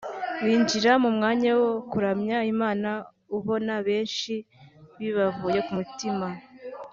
binjira mu mwanya wo kuramya Imana ubona benshi bibavuye ku mitima